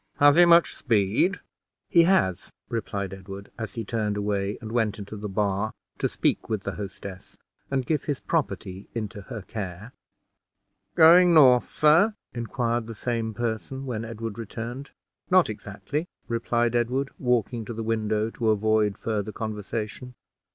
Has he much speed?" "He has," replied Edward, as he turned away and went into the bar to speak with the hostess, and give his property into her care. "Going north, sir?" inquired the same person when Edward returned. "Not exactly," replied Edward, walking to the window to avoid further conversation.